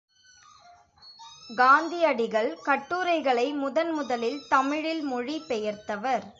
காந்தியடிகள் கட்டுரைகளை முதன் முதலில் தமிழில் மொழிபெயர்த்தவர்.